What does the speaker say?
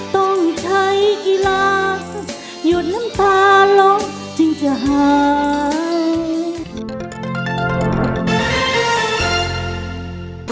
ต้องใช้กีฬาหยุดน้ำตาลบจึงจะหาย